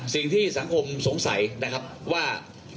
สิ่งที่สังคมสงสัยนะครับว่า